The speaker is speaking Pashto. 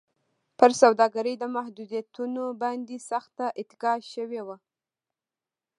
پر سوداګرۍ د محدودیتونو باندې سخته اتکا شوې وه.